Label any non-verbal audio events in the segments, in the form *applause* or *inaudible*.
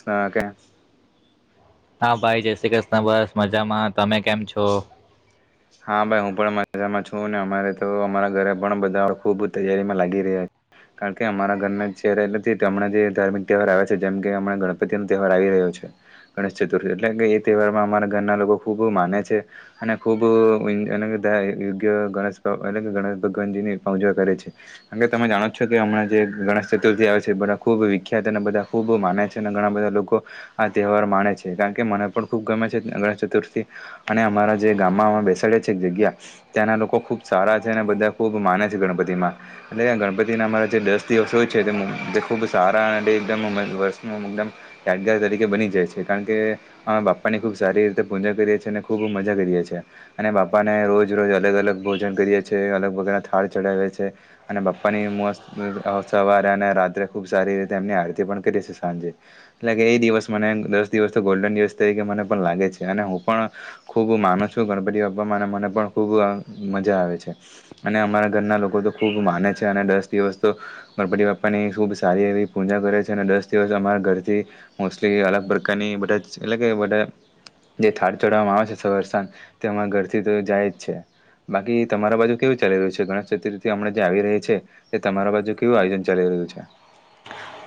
શકે હા, ભાઈ જય શ્રી કૃષ્ણ બસ મજામાં, તમે કેમ છો? હા, ભાઈ હું પણ મ જામાં છું, ને અમારે તો અમારા ઘરે પણ બધા ખૂબ તૈયારીમાં લાગી રહ્યા, કારણ કે અમારા ઘરના ચહેરા એટલે હમણાં જે ધાર્મિક તહેવાર આવે છે. જેમ કે હણાં ગણપતિનો તહેવાર આવી રહ્યો છે ગણેશ ચતુર્થી એટલે કે, એ તહેવારમાં અમારા ઘરના લોકો ખૂબ માને છે, અને ખૂબ બ અને બધા યોગ્ય ગણેશ અને ગણેશ ભગવાનજીની પૂજા કરે છે, કારણ કે તમે જાણો છો કે, હમણાં જે ગણેશ ચતુર્થી આવે છે. બધા ખૂબ વિખ્યાત અને બધા ખૂબ માને છે, અને ઘણા બધા લોકો આ તહેવાર માને છે. કારણ કે મને પણ ખૂબ ગમે છે, ગણેશ ચતુર્થી અને અમારા જે ગામમાં બેસાડે છે. એક જગ્યા ત્યાંના લોકો ખૂબ સારા છે, અને બધા ખૂબ માને છે. ગણપતિમાં એટલે ગણપતિના અમારા જે દસ દિવસ હોય છે, તે તે ખૂબ સારા અને એકદમ વર્ષનું એકદમ યાદગાર તરીકે બની જાય છે. કારણ કે અમે બાપાની ખૂબ સારી રીતે પૂજા કરીએ છીએ અને ખૂબ મજા કરીએ. છે અને બાપાને રોજ-રોજ અલગ-અલગ ભોજન કરીએ છે. અલગ બગા થાળ ચડાવ છે, અને બાપ્પાની મસ્ત સવારે અને રાત્રે ખુબ સારી રીતે અમને આરતી પણ કરીએ છીએ. સાંજે એટલે કે એ દિવસ મને દસ દિવસ ગોલ્ડન દિવસ તરીકે મને પણ લાગે છે, અને હું પણ ખૂબ માનું શું, ગણપતિ બાપ્પામાં મને પણ ખૂબ મજા આવે છે, અને અમારા ઘરના લોકો તો ખૂબ માને છે. અને દસ દિવસ તો ગણપતિ બાપ્પાની ખૂબ સારી એવી પૂજા કરે છે, ને દસ દિવસ અમારા ઘરથી મોસ્ટલી અલગ પ્રકારની બધા, એટલે કે બધા જે થાળ ચડાવવામાં આવે છે, સવાર-સાંજ તે અમારા ઘરથી તો જાય જ છે. બાકી, તમારા બાજુ કેવું ચાલી રહ્યું છે? ગણેશ ચતુર્થી હમણાં જે આવી રહી છે, તે તમારા બાજુ કેવું આયોજન ચાલી રહ્યું છે?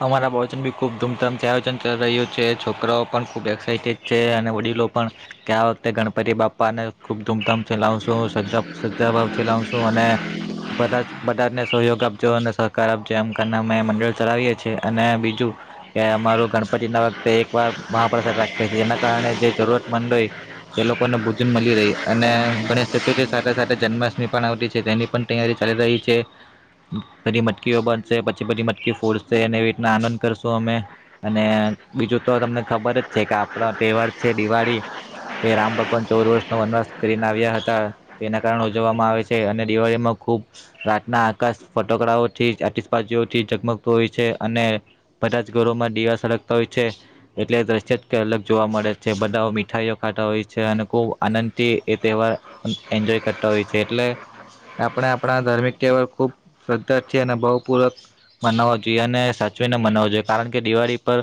અમારા પ્રવચન બી ખૂબ ધૂમધામથી આયોજન રહ્યું છે. છોકરાઓ પણ ખૂબ એક્સાઇટેડ છે, અને વડીલો પણ કે, આ વખતે ગણપતિ બાપાને ખૂબ ધૂમધામથી લાવશું, સજા સજા ભાવથી લાવશું, અને બધા બધાને સહયોગ આપજો અને સહકાર આપજો. એમ અમે મંડળ ચલાવીએ છીએ. છે, અને બીજું કે અમારો ગણપતિના વખતે એક વાર મહાપ્રસાદ રાખ્યે છે, જેના કારણે જે જરૂરતમંદ હોય, તે લોકોને ભોજન મળી રહે. અને ગણેશ ચતુર્થી સાથે-સાથે જન્માષ્ટમી પણ આવતી છે, તેની પણ તૈયારી ચાલી રહી છે. બધી મટકીઓ બનશે, પછી બધી મટકી ફોડ છે ને એવી રીતના આનંદ કરશું અમે. અને બીજું તો તમને ખબર જ છે કે આપડા તહેવાર છે, દિવાળી. તે રામ ભગવાન ચૌદ વર્ષનો વનવાસ કરીને આવ્યા હતા, તેના કારણો ઉજવવામાં આવે છે. અને દિવાળીમાં ખૂબ રાતના આકાશ ફટાકડાઓથી, આતશબાજીથી ચગમગી હોય છે અને બધા જ ઘરોમાં દીવા સળગતા હોય છે, એટલે દૃશ્ય કંઈઅલગ જોવા મળે છે. બધા મીઠાઈઓ ખાતા હોય છે અને ખૂબ આનંદથી એ તહેવાર એન્જોય કરતા હોય છે. એટલે આપણે આપણા ધાર્મિક તહેવાર ખૂબ શ્રદ્ધાથી અને બહુ પૂરક મનાવવા જોઈએ, અને સાચવીને મનાવવો જોઈએ. કારણ કે દિવાળી પર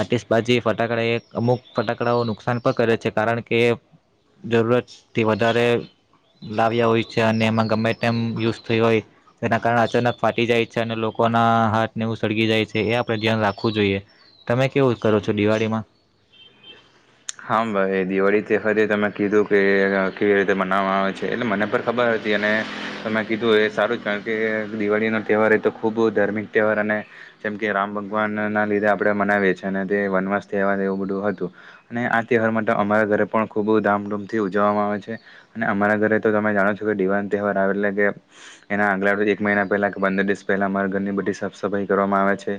આતશબાજી, ફટાકડા, અમુક ફટાકડાઓ નુકસાન પણ કરે છે. કારણ કે જરૂરતથી વધારે લાવ્યા હોય છે, અને એમાં ગમે ત્યારે યુઝ થઈ હોય, તેના કારણે અચાનક ફાટી જાય છે, અને લોકો કોના હાથ નેવું સળગી જાય છે, એ આપડે ધ્યાન રાખવું જોઈએ. તમે કેવું કરો છો, દિવાળીમાં? હા ભાઈ, દિવાળી તહેવાર એ તમે કીધું કે કેવી રીતે મનાવવામાં આવે છે, એટલે મને પણ ખબર હતી. અને તમે કીધું એ સારું જ, કારણ કે દિવાળીનો તહેવાર એ તો ખૂબ ધાર્મિક તહેવાર છે. અને જેમ કે રામ ભગવાનના લીધે આપડે મનાવીએ છીએ, અને તે વનવાસ, તહેવાર, એવું બધું હતું. અને આ તહેવાર માટે અમારા ઘરે પણ ખૂબ ધામધૂમથી ઉજવવામાં આવે છે અને અમારા ઘરે તો તમે જાણો છો કે દિવાન તહેવાર આવે એટલે કે એના આગલા એક મહિના પહેલાં કે પંદર દિવસ પહેલાં અમારા ઘરની બધી સાફ સફાઈ કરવામાં આવે છે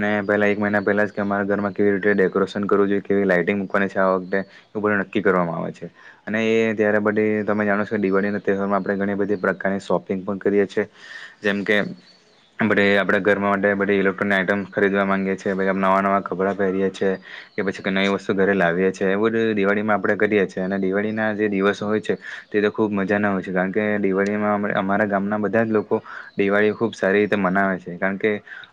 અને પહેલાં એક મહિના પહેલાં જ કે અમારા ઘરમાં કેવી રીતે ડેકોરેશન કરવું જોઈએ કેવી લાઇટિંગ આ વખતે એવું બધું નક્કી કરવામાં આવે છે અને એ ત્યારે બધી તમે જાણો છો દિવાળીના તહેવારમાં આપણે ઘણી બધી પ્રકારની શોપિંગ પણ કરીએ છી જેમ કે બધ આપણે ઘરમાં માટે બધી ઇલેક્ટ્રોનિક આઈટમ્ ખરીદવા ગી છીએછ આપણે નવા નવાં ખભડાં પહેરીએ છીએ કે પછી કઈ નવી વસ તો ઘરે લાવીએ છે એવું જ દિવાળીમાં આપણે કરીએ છે અને દિવાળીના જે દિવસો હોય છે તે તો ખૂબ મજાના હોય છે કારણ કે દિવાળીમાં અમારા ગામના બધા જ લોકો દિવાળી ખૂબ સારી રીતે મનાવે છે કારણ કે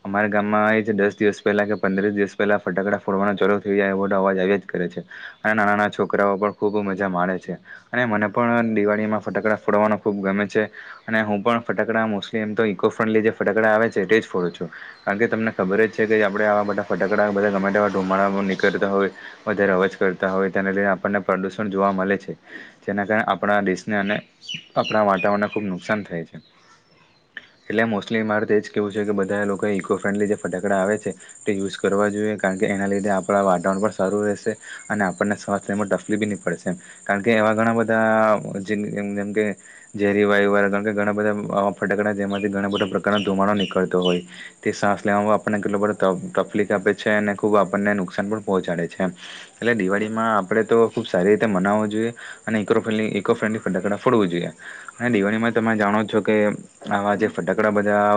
અમારા ગામમાં એ જ દસ દિવસ પહેલાં કે પંદરસ દિવસ પહેલાં ફટાકડા ફોડવાનો ચાલુ થઈ જાય મોટા અવાજ ચાલ્યાજ જ કરે છે અને નાના નાના છોકરાઓ પણ ખૂબ મજા માણે છે અને મને પણ દિવાળીમાં ફોડવાનો ખૂબ ગમે છે અને હું પણ ફટાકડા મોસ્ટલી એમ તો ઇકો ફ્રેન્ડલી જે ફટાકડા આવે છે એ તે જ ફોડું છું કારણ કે તમને ખબર જ છે કે આપડે આ બધા ફટકડા બધા ગમે તેવા ધૂમાડામાં નીકળતા હોય. વધારે અવજ કરતા હોય તેને લઈને આપણને પ્રદુષણ જોવા મળે છે જેના કારણે આપડા દેશને અને આપડા વાતાવરણને ખુબ નુકસાન થાય છે એટલે મોસ્ટલી મારે એ જ કેવું છે કે બધા લોકો ઇકો ફ્રેન્ડલી જે ફટાકડા આવે છે તે યુઝ કરવા જોઈએ કારણ કે એના લીધે આપડા વાતાવરણ સારું રહેશે અને આપણને શ્વાસ લેવામાં તફલી બી ની પડશે કારણ કે એવા ઘણા બધા જેમ કે ઝેરી વાયુવાળા કારણ કે ઘણા બધા આવા ફટાકડા જેમાંથી ઘણા બધા પ્રકારનો ધુમાડો નીકળતો હોય તે શ્વાસ લેવામાં આપણને કેટલો બધો તફલીફ આપ છે અને ખૂબ આપણને નુકસાન પણ પહોંચાડે. છે એટલે દિવાળીમાં આપડે તો ખુબ સારી રીતે મનાવવો જોઈએ અને ઇકોડ ઇકો ફ્રેન્ડલી ફટાકડા ફોડવું જોઈએ અને દિવાળીમાં તમે જાણો છો કે આવા જે ફટાકડા બધા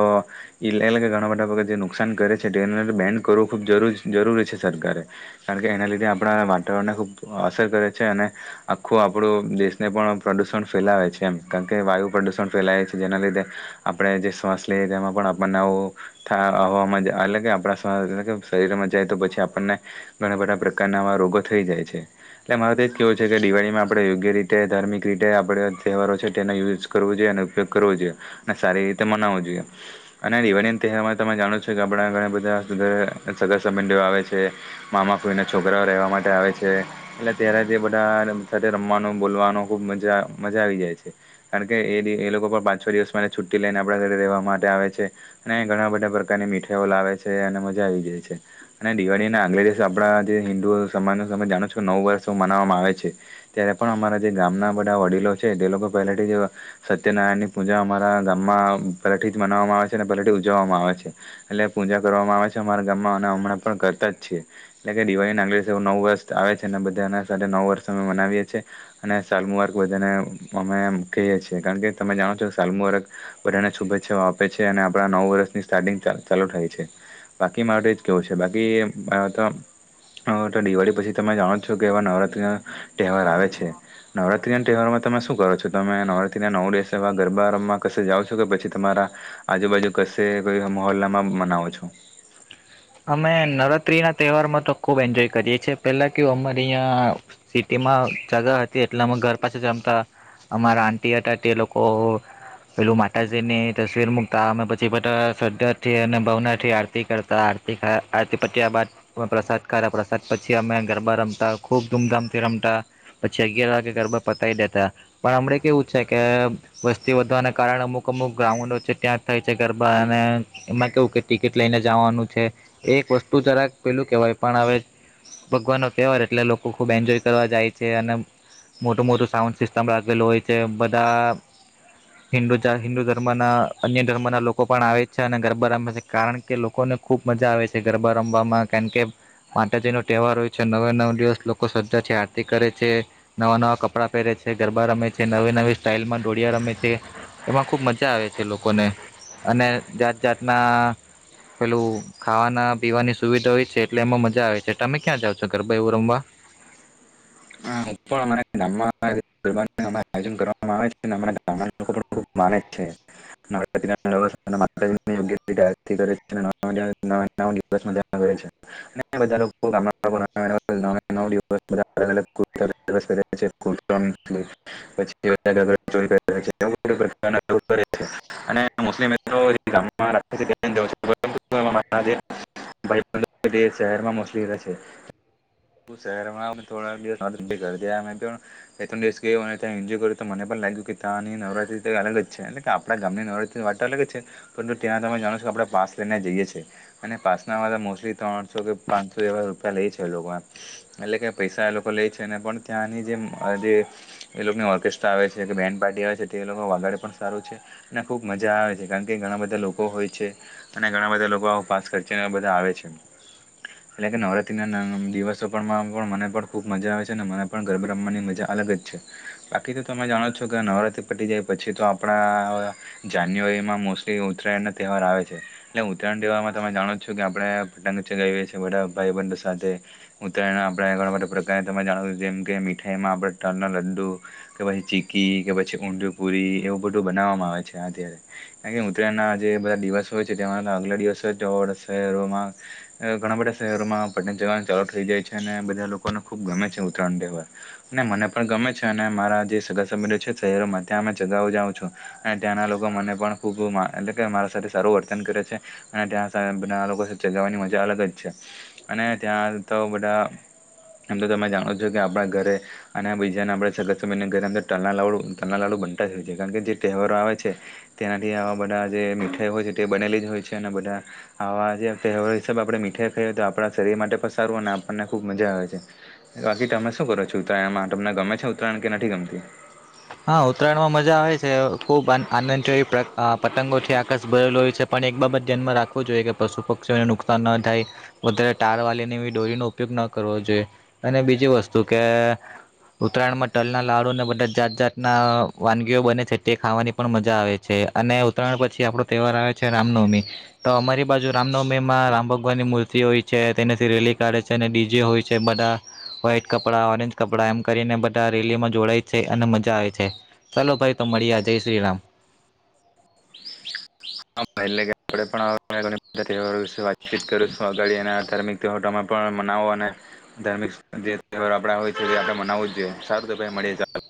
ઘણા બધા જે નુકસાન કરે છે તે બેન કરવું ખબ જરૂરી છે સરકારે. કારણ કે એના લીધે આપડા વાતાવરણને ખૂબ અસર કરે છે અને આખું આપડુ દેશને પણ પ્રદૂષણ ફેલાવે છે એમ કારણ કે વાયુ પ્રદૂષણ ફેલાય છે જેના લીધે આપણે જે શ્વાસ લઈએ તેમાં પણ આપણને આવું થ હવામાં એટલે કે આપડા શ્વાસ એટલે શરીરમાં જાય તો પછી આપણને ઘણા બધા પ્રકારનાવા રોગો થઈ જાય છે એટલે મારે તો એ કેહેવું છે કે દિવાળીમાં આપડે યોગ્ય રીતે ધાર્મિક રીતે આપડે તહેવારો છે તેનો યુઝ કરવો જોઈએ ને ઉપયોગ કરવો જોઈએ અને સારી રીતે મનાવવો જોઈએ અને દિવાળીના તહેવારમાં તમે જાણો છો કે આપડા ઘણા બધા સગા સંબંધીઓ આવે છે. મામા ફોઈને છોકરાઓ રહેવા માટે આવે છે એટલે ત્યારે તે બધા સાથે રમવાનું બોલવાનો ખુબ મજા મજા આવી જાય છે કારણ કે એ એ લોકો પણ પાંચ છ દિવસમાં છુટ્ટી લઈને આપ સાથે રહેવા માટે આવે છે અને ઘણા બધા પ્રકારની મીઠાઈઓ લાવે છે અને મજા આવી જાય છે અને દિવાળીને આગલે દિવ જે આપડા જે હિન્દુ સમાજ ન તમે જાણો છો કે નવ વર્ષ મનાવવામાં આવે છે ત્યારે પણ અમારા જે ગામના બધા વડીલો છે તે લોકો પહેલાથી સત્યનારાયણ ની પૂજા અમારા ગામમાં પલાથી જ મનાવવામાં આવે છે અને પહેલાથી ઉજવવામાં આવે છે એટલે પૂજા કરવામાં આવે છે અમારા ગામમાં અને હમણાં પણ કરતા જ છે. ટલે દિવાળીના અગલે દિવસે નવું વર્ષ આવે છે અને બધા સાથે નવું વર્ષ અમે મનાવીએ છીએ અને સાલ મુબારક બધાને અમે કહીએ છે કારણ કે તમે જાણો છો સાલ મુબારક બધાને શુભેચ્છાઓ આપે છે અને આપડા નવું વર્ષની સ્ટાર્ટિંગ ચાલુ થાય છે બાકી માટે જ કેવું છે બાકી હ તો દિવાળી પછી તમે જાણો છો કે એવા નવરાત્રીના તહેવાર આવે છે નવરાત્રી ના તહેવારમાં તમે શું કરો છો તમે નવરાત્રી ના નવ દિવસવા ગરબામાં ક જાઓ છો કે પછી તમારા આજુબાજુ કશે કોઈ મહોલ્લામાં મનાવો છો? અમે નવરાત્રી ના તહેવાર માં તો ખુબ એન્જોય કરીએ છે પેલા કે અમારી અયા સિટીમાં જગા હતી એટલે અમે ઘર પાસે જમતા અમારા આંટી હતા તે લોકો પેલું માતાજી ની તસવીર મુકતા અમે પછી બધા શદ્ધથી અને ભાવના થી આરતી કરતા. તીખા આરતી પત્યા બાદ અપ્રસાદ કરા પ્રસાદ પછી અમે ગરબા રમતા ખુબ ધૂમધામથી રમતા પછી અગિયાર વાગે ગરબા પતાવી દેતા પણ હમડ કેવું છે કે વસ્તી વધવાના કારણે અમુક અમુક ગ્રાઉન્ડો છે ત્યાં થાય છે ગરબા ને એમાં કેવું કે ટિકિટ લઈને જવાનું છે. એક વસ્તુ જરાક પેલું કેવાય પણ હવે ભગવાન નો તહેવાર એટલે લોકો ખૂબ એન્જોય કરવા જાય છે અને મોટું મોટું સાઉન્ડ સિસ્ટમેલું હોય છે બધા હિંડુચા હિન્દુ ધર્મ ના અન્ય ધર્મ ના લોકો પણ આવે છે અને ગરબા છે કારણ કે લોકોને ખૂબ મજા આવે છે ગરબા રમવામાં કારણ કે માતાજીનો તહેવાર હોય છે નવે નવ દિવસ લોકો સજા છે આરતી કરે છે નવાં નવાં કપડાં પહેરે છે ગરબા રમે છે નવી નવી સ્ટાઇલમાં ડોળિયા રમે છે એમાં ખૂબ મજા આવે છે લોકોને અને જાત જાતના પેલું ખાવાના પીવાની સુવિધા હોય છે એટલે એમાં મજા આવે છે તમે ક્યાં જાવ છો ગરબા એવુ રમવા? હું પણ અમારા ગામમાં *unintelligible* *unintelligible* ત્યાં મે પણ બે ત્રણ દિવસ ગયો અને ત્યાં એન્જોય કર્યો તો મને પણ લાગ્યું કે ત્યાંની નવરાત્રી ત અલગ જ છે એટલે કે આપડા ગામની નવરાત્રીની વાતો અલ જ છે પરંતુ ત્યાં તમે જાણો છો કે આપણે પાસ લઈને જઈએ છે અને પાસના મોસ્ટલી ત્રણસો કે પાંચસો એવા રૂપિયા લેય છે આ લોક એટલે કે પૈસા આ લોક લોકો લેય છે ને પણ ત્યાંની જે જે એ લોકોની ઓર્કેસ્ટ્રા આવે છે કે બેન્ડ પાર્ટી આવે છે તે લોકો વાગાડે પણ સારું છે અને ખૂબ મજા આવે છે કારણ કે ઘણા બધા લોકો હોય છે અને ઘણા બધા લોકો આવુ પાસ ખર્ચી ને બધા આવે છે એટલે કે નવરાત્રિના દિવસો પણ પણ મને પણ ખૂબ મજા આવે છે અને મને પણ ગરભા રમવાની મજા અલગ જ છે બાકી તો તમે જાણો છો કે નવરાત્રિ પટી જાય પછી તો આપડા જાન્યુઆરીમાં મોસ્ટલી ઉત્તરાયણના તહેવાર આવે છે એટલે ઉત્તરાયણ તહેવારમાં તમે જાણો છો કે આપણે પતંગ ચગાવીએ છે બધા ભાઈબંધ સાથે ઉત્તરાયણ આપણે ઘણા બધા પ્ર તમે જાણો છો જેમ કે મીઠાઈમાં પણના લડ્ડુ કે પહી ચીકી કે પછી ઊંધું પુરી એવું બધું બનાવવામાં આવે છે અત્યારે કારણ કે ઉત્તરાયણના જે બધા દિવસો હોય છે તેમાં આગલા દિવસ હોય તો શહેરોમાં ઘણા બધા શહેરોમાં પટ જવા ચાલુ થઈ જાય છે અને બધા લોકોનો ખબ ગમે છે ઉત્તરાયણ દવાર અને મને પણ ગમે છે અને મારા જે સગાસભ્યો છે શહેરોમાં ત્યાં અ ચગાવ જાઉં છું અને ત્યાંના લોકો મને પણ ખૂબ એટલે કે મારા સાથે સારું વર્તન કરે છે અને ત્યાં બધ લોકો સાથે ચગાવવાની મજા અલગ જ છે અને ત્યાં તો બધા એમ તો તમે જાણો જ છો કે આપણા ઘરે અને આ બીજાના આપણે સગતસભના ઘરે અંદર તલલા લાડુ તલના લાડુ બનતા જ હોય છે કારણ કે જે તહેવારો આવે છે તેનાથી આવા બધા જે મીઠાઈ હોય છે તે બનેલી જ હોય છે અને બધા આવા જે તહેવારો હિસાબ આપણે મીઠાઈ ખાઈએય તો આપણા શરીર માટે પણ સારું અને આપણને ખૂબ મજા આવે છે બાકી તમે શું કરો છો ઉત્તરાયણમાં તમને ગમે છે ઉત્તરાયણ કે નથી ગમતી હા ઉત્તરાયણમાં મજા આવે છે ખુબ આનંદી પતંગોથી આકાશ ભરેલો હોય છે પણ એક બાબત ધ્યાનમાં રાખવું જોઈએ કે પશુ પક્ષીઓને નુકસાન ન થાય વધારે તાર વાલીને એવી ડોરીનો ઉપયોગ ન કરવો જોઈએ અને બીજી વસ્તુ કે ઉત્તરાયણમાં તલના લાડુને બધા જાત જાાત ના વાનગીઓ બને છે તે ખાવાની પણ મજા આવે છે અને ઉત્તરાયણ પછી આપણો તહેવાર આવે છે રામનવમી તો અમારી બાજુ રામનવમીમાં રામ ભગવાનની મૂર્તિ હોય છે તેનાથી રેલી કાઢે છે અને ડીજે હોય છે બધા વ્હાઈટ કપડાં ઓરેન્જ કપડાં એમ કરીને બધા રેલીમાં જોડાય છે અને મજા આવે છે ચાલલો ભાઈ તો મળી જય શ્રીરામ હ એટલેે પણ વાતચીત કરું સ્વાગળ એના ધાર્મિક તહેવાર તમે પણ મનાવો અને ધાર્મિક જે તહેવાર આપણા હોય છે એ આપણે મનાવવું જ જોઈએ સારું તો ભાઈ મળીએ ચાલો